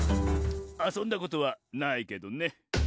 「あそんだことはないけどね」